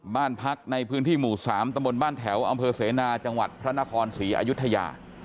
บ้านพักในพื้นที่หมู่๓ตะบนบ้านแถวอำเภอเสนาจังหวัดพระนครศรีอายุทยา